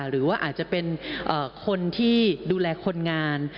หรือว่าอาจจะเป็นคนที่ดูแลคนงาน